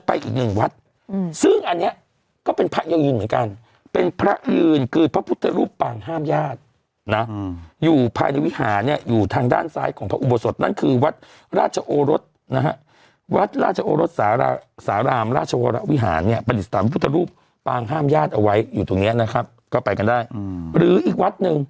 อัดเทปรายการนี้ก็สดตลอดไปแล้ว